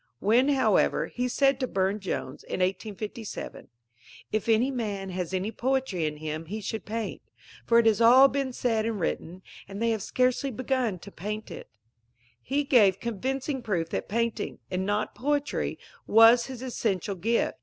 When, however, he said to Burne Jones, in 1857: "If any man has any poetry in him, he should paint; for it has all been said and written, and they have scarcely begun to paint it," he gave convincing proof that painting, and not poetry, was his essential gift.